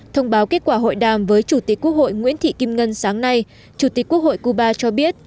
thông báo kết quả hội đàm với chủ tịch quốc hội nguyễn thị kim ngân sáng nay chủ tịch quốc hội cuba cho biết